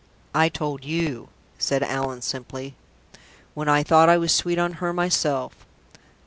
"I told you," said Allan, simply, "when I thought I was sweet on her myself.